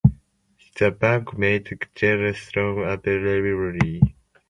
The bank made generous loans and liberally issued paper money.